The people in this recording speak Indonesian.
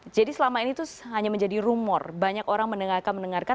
jadi selama ini itu hanya menjadi rumor banyak orang mendengarkan